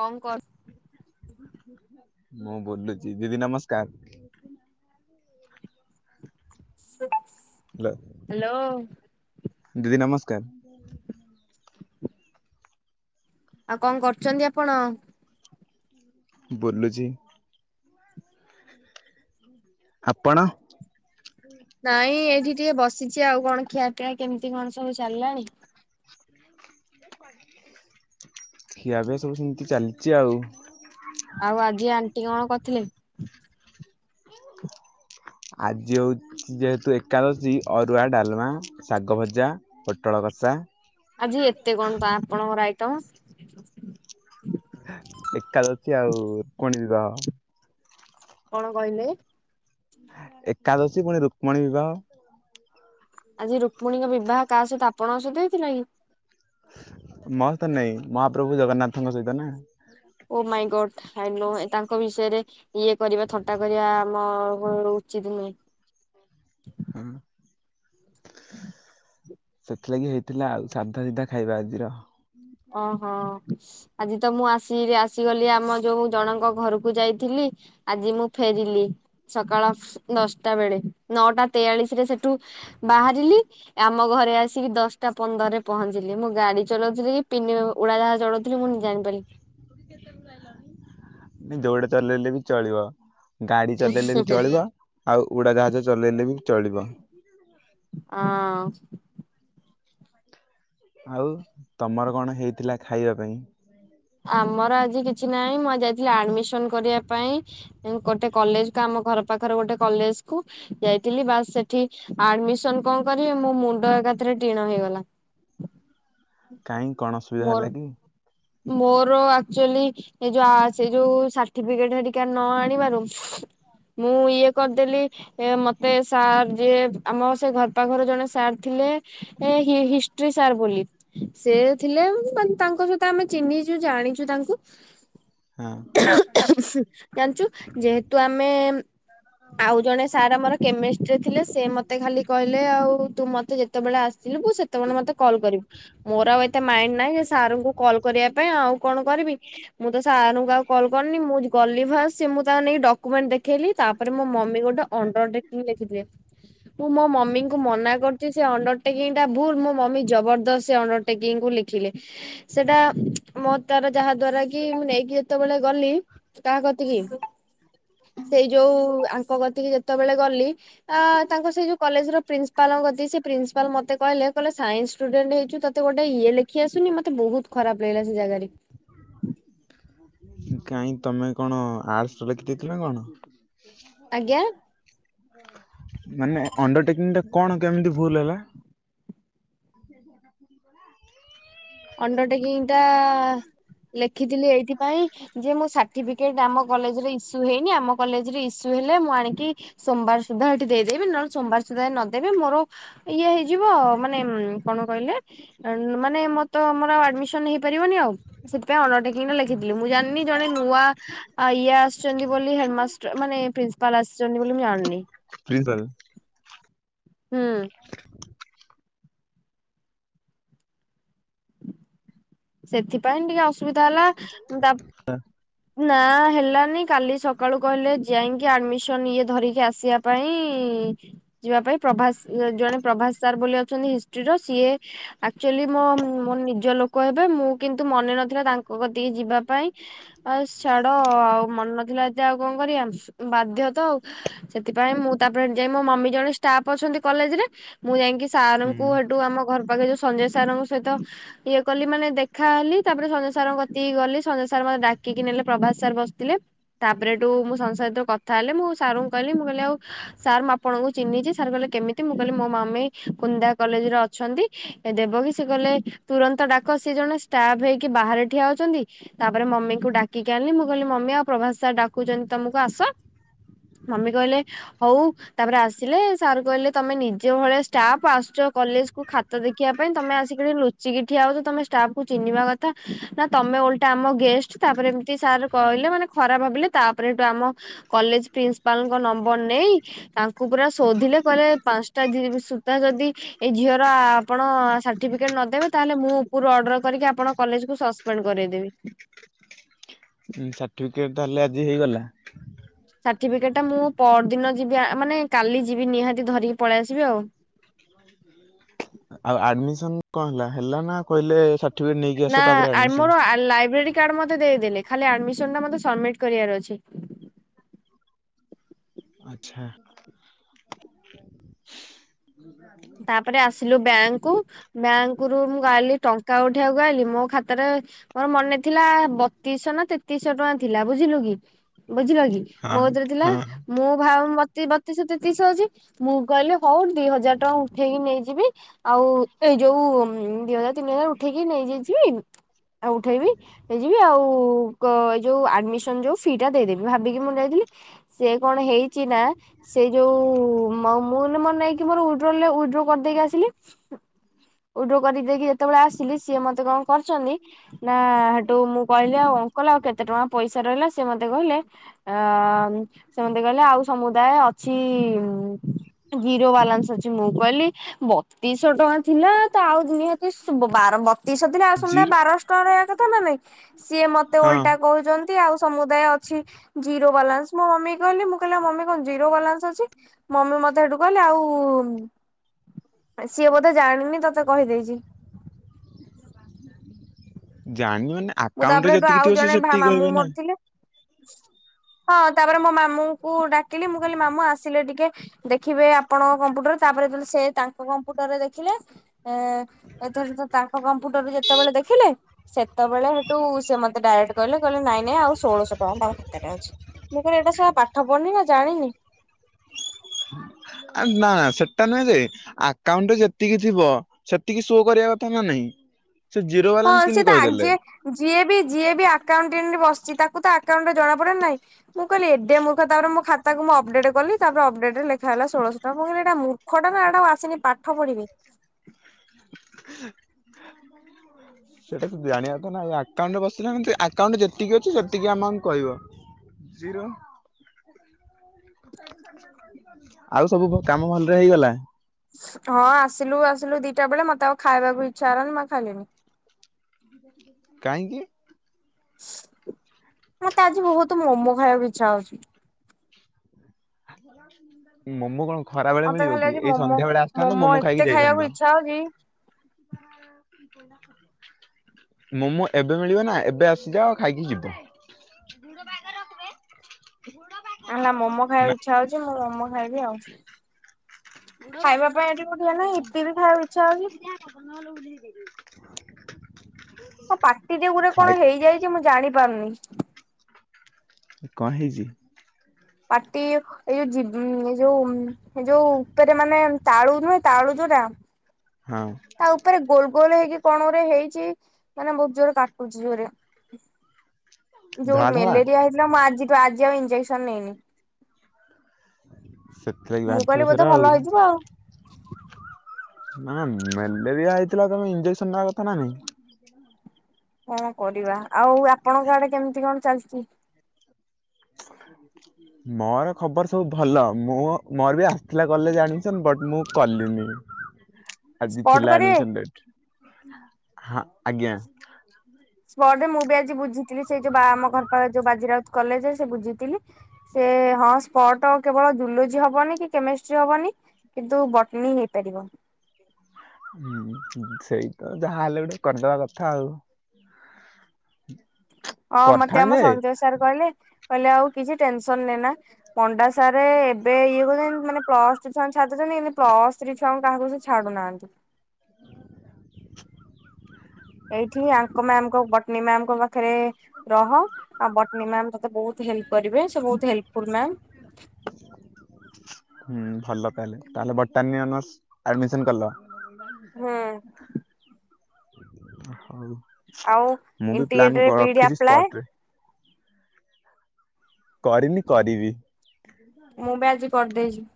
କଂ କର୍ ମୁଁ ବୁଲୁଛି। ଦିଦି ନମସ୍କାର। Hello hello. ଦିଦି ନମସ୍କାର। ଆଉ, କଣ କରୁଛନ୍ତି ଆପଣ? ବଲୁଛି। ଆପଣ? ନାଇଁ, ଏଇଠି ଟିକେ ବସିଛି। ଆଉ କଣ ଖିଆପିଆ, କେମିତି କଣ ସବୁ ଚାଲିଲାଣି। ଖିଆ ପିଆ, ସବୁ ସେମିତି ଚାଲିଛି ଆଉ। ଆଉ ଆଜି, ଆଣ୍ଟି କଣ କରିଥିଲି? ଆଜି ହେଉଛି ଯେହେତୁ ଏକାଦଶୀ, ଅରୁଆ, ଡାଲମା, ଶାଗ ଭଜା, ପୋଟଳ କସା। ଆଜି ଏତେ କଣ ତ ଆପଣଙ୍କର ଆଇଟମ। ଏକାଦଶୀ ଆଉ ରୁକ୍ମଣୀ ବିବାହ। କଣ କହିଲେ? ଏକାଦଶୀ ପୁଣି ରୁକ୍ମଣୀ ବିବାହ। ଆଜି ରୁକ୍ମଣୀଙ୍କ ବିବାହ କାହା ସହିତ ଆପଣଙ୍କ ସହିତ ହେଇଥିଲା କି? ମ ସହିତ ନାଇ। ମହାପ୍ରଭୁ ଜଗନ୍ନାଥଙ୍କ ସହିତ ନା। [unintelligible] ନୁହେଁ। ତାଙ୍କ ବିଷୟରେ ଇଏ କରିବା, ଥଟା କରିବା ମ ଉଚିତ ନୁହେଁ। ହଁ। ସେଥିଲାଗି ହେଇଥିଲା ଆଉ ସାଧା ସିଧା ଖାଇବା ଆଜିର। ଓ ହୋ। ଆଜି ତ ମୁଁ ଆସି ଆସିଗଲି। ଆମ ଯୋଉ ଜଣଙ୍କ ଘରକୁ ଯାଇଥିଲି। ଆଜି ମୁଁ ଫେରିଲି। ସକାଳ ଦଶଟା ବେଳେ। ନଅଟା ତେୟାଳିଶ ରେ ସେଠୁ ବାହାରିଲି ଆମ ଘରେ ଆସିକି ଦଶଟା ପନ୍ଦରରେ ପହଞ୍ଚିଲି। ମୁଁ ଗାଡି ଚଲାଉଥିଲି [unintelligible] ଉଡ଼ାଜାହାଜ ଚାଲଉଥିଲି ମମୁଁ ନିଜେ ଜାଣିପାରିଲି। ନ ଯୋଉଟା ଚାଲଲେ ବି ଚଳିବା। ଗାଡି ଚଲେଇଲେ ହୁଁ ବି ହୁଁ। ଚଳିବ, ଆଉ ଉଡାଜାହାଜ ଚଲେଇଲେ ବି ଚଳିବ। ହଁ। ଆଉ ତମର କଣ ହେଇଥିଲା ଖାଇବା ପାଇଁ। ଆମର ଆଜି କିଛି ନାହିଁ। ମୁଁ ଯାଇଥିଲି ଆଡମିସନ କରିବା ପାଇଁ, ଗୋଟେ କଲେଜ କା ଘର ପାଖରେ ଗୋଟେ କଲେଜ କୁ ଯାଇଥିଲି, ବାସ ସେଠି ଆଡମିସନ୍ କଣ କରିବେ, ମୋ ମୁଣ୍ଡ ଏକାଥରେ ଟିଣ ହେଇଗଲା। କାହିଁ, କଣ ଅସୁବିଧା ମୋର ହେଲା କି? ମୋର ଆକଚୁଲି, ଯଉ ସେ ଯୋଉ ସାର୍ଟିଫିକେଟ ହେରିକା ନ ଆଣିବାରୁ ମୁଁ ଇଏ କରିଦେଲି, ମତେ ସାର୍ ଯ, ଆମ ସେ ଘର ପାଖରେ ଜଣେ ସାର୍ ଥିଲେ ହିଷ୍ଟ୍ରି ସାର୍ ବୋଲି, ସେ ଥିଲେ ତାଙ୍କ ସହିତ ଆମେ ଚିହ୍ନିଛୁ ଜାଣିଛୁ ତାଙ୍କୁ। ହଁ ଜାଣିଛୁ, ଯେହେତୁ ଆମେ ଆଉ ଜଣେ ସାର୍ ଆମର କେମେଷ୍ଟ୍ରିର ଥିଲେ ସେ ମତେ ଖାଲି କହିଲେ ଆଉ ତୁ ମତେ ଯେତେବେଳେ ଆସ ସେତେବେଳେ ମତେ କଲ୍ କରିବୁ, ମୋର ଆଉ ଏତେ ମାଇଣ୍ଡ ନାହିଁ ଯେ ସାର୍ ଙ୍କୁ କଲ୍ କରିବା ପାଇଁ ଆଉ କଣ କରିବି ମୁଁ ତ ସାରଙ୍କୁ କୁ କଲ୍ କରିନି ମୁଁ ଗଲି ଫାଷ୍ଟ ସିଏ ମୁଁ ତାଙ୍କୁ ନେଇ ଡକ୍ୟୁମେଣ୍ଟ ଦେଖେଇଲି, ତାପରେ ମୋ ମମି ଗୋଟେ ଅଣ୍ଡର ଲେ, ମୁଁ ମୋ ମମିଙ୍କୁ ମନା କରୁଛି ସେ ଅଣ୍ଡର ଅଣ୍ଡରଟେକିଙ୍ଗଟା ଭୁଲ ମୋ ମମି ଜବରଦସ୍ତ୍ ସେ ଅଣ୍ଡରଟେକିଂ କୁ ଲେଖିଲେ, ସେଟା ମୋ ତାର ଯାହା ଦ୍ଵାରା କି ମୁଁ ନେଇକି ଯେତେବେଳେ ଗଲି କାହା କତିକି ସେଇ ଯୋଉ ଆଙ୍କ କତିକି ଯେତେବେଳେ ଗଲି ଆ ତାଙ୍କ ସେଇ ଯୋଉ କଲେଜ ର ପ୍ରିନ୍ସପାଲ ତାଙ୍କ ସେ ପ୍ରିନସ୍ପାଲ ମତେ କହିଲେ, ସାଇନ୍ସିନ୍ ଷ୍ଟୁଡେଣ୍ଟ ହେଇଚୁ ତତେ ଗୋଟେ ଇଏ ଲେଖି ଆସୁନି ମତେ ବହୁତ- ଖରାପ ଲାଗିଲା ସେ ଜାଗାରେ। କାହିଁ ତମେ କଣ ଆର୍ଟଶର ଲେଖି ଦେଇଥିଲ ନା କଣ? ଆଜ୍ଞା ମାନେ ଅଣ୍ଡରଟେକିଂ ଟା କଣ କେମିତି ଭୁଲ ହେଲା? ଅଣ୍ଡରଟେକିଙ୍ଗଟା ଲେଖିଥିଲି ଏଇଥିପାଇଁ ଯେ ମୁଁ ସାର୍ଟିଫିକେଟ ଆମ କଲେଜରେ ଇସୁ ହେଇନି ଆମ କଲେଜରେ ଇ ସୁ ହେଲେ ମୁଁ ଆଣିକି ସୋମବାର ସୁଦ୍ଧା ଏଠି ଦେଇଦେବି, ନହେଲେ ସୋମବାର ସୁଦ୍ଧା ନଦେବି ମୋର ଇଏ ହେଇଯିବ। ହଁ ମାନେ କଣ କହିଲେ ମାନେ ମତ ତ ମୋର ଆଡମିସନ ହେଇପାରିବନି ଆଉ, ସେଥିପାଇଁ ଅଣ୍ଡରଟେକିଙ୍ଗଟା ଲେଖିଥିଲି ମୁଁ ଜାଣିନି ଜଣେ ନୂଆ ଆ ଇଏ ଆସିଛନ୍ତି ବୋଲି ହେଡମାଷ୍ଟର ମାନେ ପ୍ରିନ୍ସିପାଲ ଆସିଛନ୍ତି ବୋଲି ମୁଁ ଜାଣିନି ପ୍ରିନ୍ସିପାଲ ହୁଁ। ସେଥିପାଇଁ ଟିକେ ଅସୁବିଧା ହେଲା, ତା ନା ହେଲାନି କାଲି ସକାଳୁ କହିଲେ ଯାଇକି ଆଡମିସନ ଇଏ ଧରିକି ଆସିବା ପାଇଁ ଯିବା ପାଇଁ ପ୍ରଭାସ ଜଣେ ପ୍ରଭାସ ସାର୍ ବୋଲି ଅଛନ୍ତି ହିଷ୍ଟ୍ରିର ସିଏ ଆକଚୁଆଲି ମ ମୋ ନିଜ ଲୋକ କହିବେ ମୁଁ କିନ୍ତୁ ମନେ ନଥିଲା ତାଙ୍କ କତିକି ଯିବା ପାଇଁ, ଆ ଛାଡ ଆଉ ମନେ ନଥିଲା ଆଉ ଯା କଣ କରିବା ବାଧ୍ୟ ତଉ, ସେଥିପାଇଁ ମୁଁ ତାପରେ ଯାଇ ମୋ ମମି ଜଣେ ଷ୍ଟାଫ୍ ଅଛନ୍ତି କଲେଜ ରେ, ମୁଁ ଯାଇଁକି ସାରଙ୍କୁ ହୁଁ ସେଠୁ ଆମ ଘର ପାଖ ଯୋଉ ସଞ୍ଜୟସାରଙ୍କ ସହିତ ଇଏ ଗଲି ମାନେ ଦେଖାହଲି ତାପରେ ସଞ୍ଜୟ ସାରଙ୍କ କତିକି ଗଲି ସଞ୍ଜୟ ସାର୍ ମତେ ଡାକିକି ନେଲେ ପ୍ରଭାସ ସାର୍ ବସିଥିଲେ। ତାପରେ ହେଟୁ ମୁଁ ସଞ୍ଜୟ ସାର ଙ୍କ ସହ କଥା ହେଲି, ମୁଁ ସାର୍ ଙ୍କୁ କହିଲି ମୁଁ କହିଲି ଆଉ ସାର୍ ମୁଁ ଆପଣଙ୍କୁ ଚିହ୍ନିଛି ସାର୍ କହିଲେ କେମିତି ମୁଁ କହିଲି ମୋ ମମୀ କୁନ୍ଦା କଲେଜରେ ଅଛନ୍ତି, ଦେବକି ସେ କହିଲ ତୁରନ୍ତ ଡାକ ସିଏ ଜଣେ ଷ୍ଟାଫ୍ ହେଇକି ବାହାରେ ଠିଆ ହଉଛନ୍ତି, ତାପରେ ମମିଙ୍କୁ ଡାକିକି ଆଣିଲି ମୁଁ କହିଲି ମମି ଆଉ ପ୍ରଭାସ ସାର୍ ଡାକୁଛନ୍ତି ତମକୁ ଆସ। ମମି କହିଲେ ହଉ, ତାପରେ ଆସିଲେ ସାର୍ କହିଲେ ତମେ ନିଜେ ଭଳିଆ ଷ୍ଟାଫ ଆସୁଛ କଲେଜ କୁ ଖାତ ଦେଖିବା ପାଇଁ ତମେ ଆସିକିିନା ଲୁଚିକି ଠିଆ ହଉ ତମେ ଷ୍ଟାଫକୁ ଚିହ୍ନିବା କଥା ନା ତମେ ଓଲଟା ଆମ ଗେଷ୍ଟ ତାପରେ ଏମତି ସାର କହିଲେ ମାନେ ଖରା ବୋଲି ତାପରେ ସେଠୁ ଆମ କଲେଜ ପ୍ରିନ୍ସିପାଲଙ୍କ ନମ୍ୱର୍ ନେଇ ତାଙ୍କୁ ପୁରା ସୋଧିଲେ କହିଲେ ପାଞ୍ଚଟା ଜି ସୁଦ୍ଧା ଯଦି ଏଇ ଝିଅର ଆପଣ ସାର୍ଟିଫିକେଟ ନଦବେ ତାହେଲେ ମୁଁ ଉପରୁ ଅର୍ଡର କରିକି ଆପଣ କଲେଜ କୁ ସସ୍ପେଣ୍ଡ କରାଇଦେବି। ସାର୍ଟିଫିକେଟ ତାହଲେ ଆଜି ହେଇଗଲା? ସାର୍ଟିଫିକେଟ ଟା ମୁଁ ପର ଦିନ ଯିବି ମାନେ କାଲି ଯିବି ନିହାତି ଧରିକି ପଳେଇ ଆସିବି ଆଉ। ହ [inaudible] ଆଉ ଆଡମିସନ କଣହେଲା, ହେଲା ନା କହିଲେ ସା ନା ଆ ମୋର ଲାଇବ୍ରେରୀ [unintelligible] ମେତେ ଦେଇଦଲେ ଖାଲି ଆଡମିନ ଟା ମତେ ସବମିଟ କରିବାର ଅଛି ଆଚ୍ଛା। ତାପରେ ଆସିଲୁ ବ୍ୟାଙ୍କ ବ୍ୟାଙ୍କ ରୁ ମୁଁ ଗାଇଲି ଟଙ୍କା ଉଠେଇବାକୁ ଆଲି ମୋ ଖାତାରେ ମୋର ମନେ ଥିଲା ବତିଶଶହ ନା ତେତିଶଶହ ଟଙ୍କା ଥିଲା ବୁଝିଲୁ କି? ବୁଝିଲ କି ହଁ ମୋ କତିରେ ଥିଲା ହଁ ମୁଁ ଭାଉ ମତି ବତି ତେତିଶ ହଉଛି। ମୁଁ କହିଲି ହଉ ଦିହଜାର ଟଙ୍କା ଉ ଉଠେଇକି ନେଇଯିବି ଆଉ ଏଇ ଯୋଉ ଦିହଜାର ତିନି ହଜାର ଉଠେଇକି ନେଇଯାଇଥିବି। ଆଉ ଉଠେଇବି ହେଇଯିବି ଆଉ କ ଏଇ ଯୋଉ ଆଡମିସନ ଯୋଉ ଫି ଟା ଦେଇଦେବି। ଭାବିକି ମୁଁ ଯାଇଥିଲି। ସିଏ କଣ ହେଇଛି ନା ସେ ଯୋଉ ମୁଁ ମନେ ନେଇକି ମୋର ଉଇଡ୍ରଲରେ ଉଇ ଉଇଡ୍ରୋ କରିଦେଇକି ଆସିଲି ଉଇଡ୍ରୋ କରିଦେଇକି ତେବେଳେ ଆସିଲି ସିଏ ମତେ କଣ କରଛନ୍ତି ନା ସେଠୁ ମୁଁ କହିଲି ଆଉ ଅଙ୍କଲ ଆଉ କେତେ ଟଙ୍କା ପଇସା ରହିଲା? ସେ ମତେ କହିଲେ। ଅ ସେମିତି କହିଲେ ଆଉ ସମୁଦାୟ ଅଛି। ଜିରୋ ବାଲାନ୍ସ ଅଛି ମୁଁ କହିଲି ବ ତିଶହ ଟଙ୍କା ଥିଲା ତ ଆଉ ନିହାତି ବାର ବତିଶହ ଥିଲା ଆଉ ସମୁଦାୟ ଜିରୋ ବାରଶହ ଟଙ୍କା ର ନା ଭାଇ [inaudible] ସିଏ ମତେ ହଁ ଓଲଟା କହୁଛନ୍ତି ଆଉ ସମୁଦାୟ ଅଛି ଜିରୋ ବାଲାନ୍ସ ମୋ ମମି କହିଲି ମୁଁ କହିଲି ମମି କଣ ଜିରୋ ବାଲାନ୍ସ ଅଛି ମମି ମତେ ସେଠୁ କହିଲେ ଆଉ ସିଏ ବୋଧେ ଜାଣିନି ତତେ କହିଦେଇଛି। ଜାଣିବେ ନି। ମୁଁ ତାପରେ ସେଠୁ ଆଉ ଜଣେ ମାମୁଁ ମରି ଥିଲେ। ହଁ ତାପରେ ମୋ ମାମୁଁଙ୍କୁ ଡାକିଲି ମୁଁ କହିଲି ମାମୁଁ ଆସିଲେ ଟିକେ ଦେଖିବେ ଆପଣ କମ୍ପ୍ୟୁଟର। ତାପରେ ସେ ତାଙ୍କ କମ୍ପୁଟରରେ ଦେଖିଲେ। ଏ ଏଥର ତ ତାଙ୍କ କମ୍ପ୍ୟୁଟରରୁୁ ଯେତେବେଳେ ଦେଖିଲେ ସେତେବେଳେ ସେଠୁ ସେ ମୋତେ ଡାଇରେକ୍ଟ କହିଲେ କହିଲେ ନାଇଁ ନାଇଁ ଆଉ ଷୋଳଶହ ଟଙ୍କା ତମ ଖାତାରେ ଅଛି। ମୁଁ କହିଲି ଏଇଟା ସେଟା ପାଠ ପଢିନି ନା ଜାଣିନି। ଆରେ ନା ନା ସେଟା ନୁହେଁ ଯେ ଆକାଉଣ୍ଟ ରେ ଯେତିକି ଥିବ ସେତିକି ସୋ କରିବା କଥା ନା ନାହିଁ। ସେ ଜିରୋ ହଁ ବାଲାନ୍ସ ସିଏ କେମିତି ତ କହିଦେଲେ? ଆଜି ଯିଏ ବି ଯିଏ ବି ଆକାଉଟେଣ୍ଟ ବସିଛି ତାକୁ ତ ଆକାଉଣ୍ଟ ଟା ଜଣାପଡେ ନା ନାହିଁ। ମୁଁ କହିଲି ଏବେ ମୁଁ ମୋ ଖାତାକୁ ମୁଁ ଅପଡେଟ କଲି ତାପରେ ଅପଡେଟ ଲେଖା ହେଲା ଶୋଳ - ଟା ମୁଁ କହିଲି ଏଟା ମୂର୍ଖ ଟା ନା ଏଟା ଆସନି ପାଠ ପଢିନି। [unintelligible] [inaudible] ସେଇଟା ତ ଜାଣିବା କଥା ନା ଆକାଉଣ୍ଟରେ ବସିଲା ଆକାଉଣ୍ଟ ଯେତିକି ଅଛି ସେତିକି ଆମାଉଣ୍ଟ କହିବ। ଜିରୋ। [inaudible] ଆଉ ସବୁ କାମ ଭଲରେ ହେଇଗଲା। ହଁ ଆସିଲୁ ଆସିଲୁ ଦିଟା ବେଳେ ମୋତେ ଆଉ ଖାଇବାକୁ ଇଚ୍ଛା ହେଲାନି ମୁ ଖାଇଲିନି। କାହିଁକି? ମୋତେ ଆଜି ବହୁତ ମୋମୋ ଖାଇବାକୁ ଇଚ୍ଛା ହଉଛି। ମୋମୋ କଣ? ଖରା ବେଳେ ମତେ ମିଳିବ ଖାଲି କି ଆଜି ଏଇ ମୋମୋ ସନ୍ଧ୍ୟା ବେଳେ ଆସିଥାନ୍ତ ମୋମୋ ଏତେ ଖାଇକି ଖାଇବାକୁ ଯାଇଥାନ୍ତ। ଇଚ୍ଛା ହଉଛି ମୋମୋ ଏବେ ମିଳିବ ନା ଏବେ ଆସିଯାଅ ଖାଇକି ଯିବ। ନ ହେଲା ମୋମୋ ଖାଇବା ନା ଇଚ୍ଛା ହଉଛି ମୁଁ ମୋମୋ ଖାଇବି ଆଉ। ଖାଇବା ପାଇଁ ଏଠିି [inaudible] ନା ଇଟିଲି ଖାଇବାକୁ ଇଚ୍ଛା ହଉଛି। [inaudible] ମୋ ପାଟିରେ ଗୁରେ ଖାଇ କଣ ହେଇଯାଇଛି ମୁଁ ଜାଣି ପାରୁନି। କଣ ହେଇଛି? ପାଟି ଏଇ ଯୋଉ ଏ ଯୋଉ ଏ ଯୋଉ ଉପରେ ମାନେ ତାଳୁ ନୁହେଁ ତାଳୁ [inaudible] ହଁ ତା ଉପରେ ଗୋଲ ଗୋଲ ହେଇକି କଣ ଗୋଟେ ହେଇଛି ମାନେ ବହୁତ ଜୋରେ କାଟୁଛି ଜୋରେ। ଯୋଉ ଧଳା ଧଳା ମ୍ୟାଲେରିଆ ହେଇଥିଲା ମୁଁ ଆଜି ଆଜି ଆଉ ଇଞ୍ଜେକ୍ସନ ନେଇନି। ସେଥିଲାଗି ମୁଁ ବାହାରିଥିବ କହିଲି ସେରା ବୋଧେ ଆଉ। ଭଲ ହେଇଯିବ ଆଉ। ନା ମ୍ୟାଲେରିଆ ହେଇଥିଲା ତମେ ଇଞ୍ଜେକ୍ସନ ନବା କଥା ନା ନାଇଁ? କଣ କରିବା ଆଉ ଆପଣଙ୍କ ଆଡେ କେମିତି କଣ ଚାଲିଛି? ମୋର ଖବର ସବୁ ଭଲ ମୁଁ ମୋର ବି ଆସିଥିଲା ଗଲେ ଜାଣିଛନ ବଟ ମୁଁ କଲିିନି। ଆଜି ସ୍ପଟ ଥିଲା କରିବେ? ଆଡ଼ମିସନ ଡେଟ ହଁ ଆଜ୍ଞା। ସ୍ପଟରେ ମୁଁ ବି ଆଜି ବୁଝିଥିଲି ସେଇ ଯୋଉ ଆମ ଘର ପାଖ ଯୋଉ ବାଜିରାଉଜ କଲେଜ ସେ ବୁଝିଥିଲି ସେ- ହଁ ସ୍ପଟ କେବଳ ଜୁଲୋଜି ହବନି କି କେମେଷ୍ଟ୍ରି ହବନି କିନ୍ତୁ ବଟନୀ ହେଇପାରିବ। ହଁ ସେଇ ତ ଯାହା ହେଲେ ଗୋଟେ କରିଦବା କଥା ଆଉ ହଁ ମତେ ଆମ କରିଥାନ୍ତେ ଯେ ସଞଜୟ ସାର୍ କହିଲେ କହିଲେ ଆଉ କିଛି ଟେନସନ ନେ ନା ପଣ୍ଡା ସାରେ। ଏବେ ଇଏ କହୁଛନ୍ତି ମାନେ ପ୍ଲସ ଟୁ ଛୁଆଙ୍କୁ ଛାଡୁଛନ୍ତି ମାନେ ପ୍ଲସ୍ ଥ୍ରୀ ଛୁଆଙ୍କୁ କାହାକୁ ସେ ଛାଡୁନାହାନ୍ତି। [inaudible] ଏଇଠି ଆଙ୍କ ମ୍ୟାମ୍ ବଟନୀ ମ୍ୟାାମଙ୍କ ପାଖରେ ରହ ଆଉ ବଟନୀ ମ୍ୟାମ ତତେ ବହୁତ। ହେଲ୍ପ କରିବେ ସେ ବହୁତ ହେଲ୍ଫ ଫୁଲ ମ୍ୟାମ। ହୁଁ ଭଲ ତାହଲେ ତାହେଲେ ବୋଟନୀ ଅନର୍ସ ଆଡମିସନ କଲ। ହୁଁ [unintelligible] ଆଉ ମୁଁ ବି ପ୍ଲାନ୍ ଇଣ୍ଟିଗ୍ରେଟରେ ବିଇଡି ରଖିଛି ଆପ୍ଲାଏ ସ୍ପଟରେ। କରିନି କରିବି। ମୁଁ ବି ଆଜି କରିଦେଇଛି।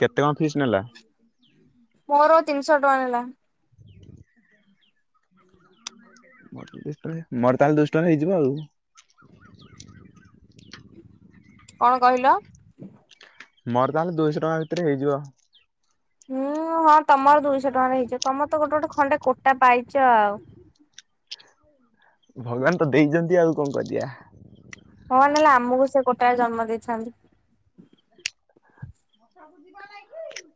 କେତେ କଣ ଫିସ୍ ନେଲା? ମୋର ତିନିଶ ଟଙ୍କା ନେ। ମୋର ତା ହେଲେ ଦୁଇଶ ଟଙ୍କା ହେଇଯିବ ଆଉ। କଣ କହିଲ? ମୋର ତାହେଲେ ଦୁଇଶହ ଟଙ୍କା ଭିତରେ ହେଇଯିବ। ହୁଁ ହଁ ତମର ଦୁଇଶହ ଟଙ୍କାରେ ହେଇଯିବ ତମର ତ ଗୋଟେ ଗୋଟେ ଖଣ୍ଡେ କୋ- ଟା ପାଇଛ ଆଉ। ଭଗବାନ ତ ଦେଇଛନ୍ତି ଆଉ କଣ କରିବା। ହଁ ନହେଲେ ଆମକୁ ସେ ଗୋଟାଏ ଜନ୍ମ ଦେଇଥାନ୍ତି। କୁ ଯିବା ନାଇଁ କି?